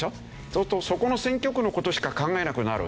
そうするとそこの選挙区の事しか考えなくなる。